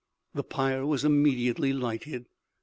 The pyre was immediately lighted.